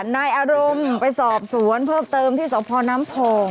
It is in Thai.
ในสอบสวนเพิ่มเติมที่สวนพอน้ำทอง